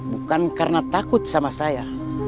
bukan karena takut sama saya